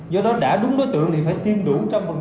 do đó đã đúng đối tượng thì phải tiêm đủ một trăm linh